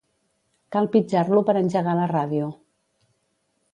Cal pitjar-lo per engegar la ràdio.